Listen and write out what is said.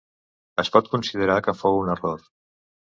Es pot considerar que fou un error.